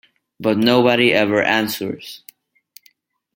But nobody ever answers!